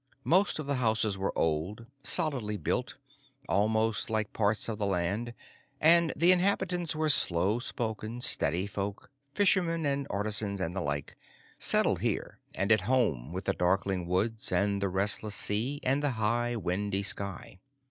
Most of the houses were old, solidly built, almost like parts of the land, and the inhabitants were slow spoken, steady folk, fishermen and artisans and the like, settled here and at home with the darkling woods and the restless sea and the high windy sky.